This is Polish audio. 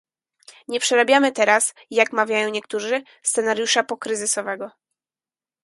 Nie przerabiamy teraz, jak mawiają niektórzy, "scenariusza pokryzysowego"